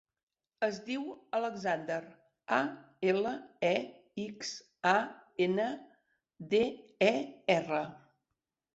Es diu Alexander: a, ela, e, ics, a, ena, de, e, erra.